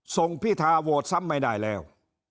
พิธาโหวตซ้ำไม่ได้แล้ว